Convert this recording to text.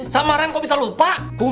sama rem kok bisa lupa